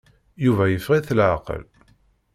Yuba yeffeɣ-it leɛqel.